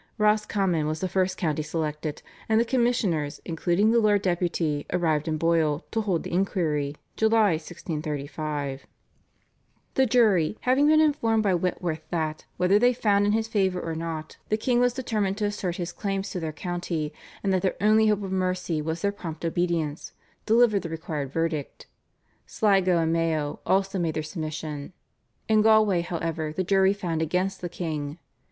Roscommon was the first county selected, and the Commissioners, including the Lord Deputy, arrived in Boyle to hold the inquiry (July 1635). The jury, having been informed by Wentworth that, whether they found in his favour or not, the king was determined to assert his claims to their county, and that their only hope of mercy was their prompt obedience, delivered the required verdict. Sligo and Mayo also made their submission. In Galway, however, the jury found against the king.